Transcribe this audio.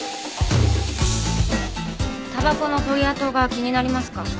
タバコの焦げ跡が気になりますか？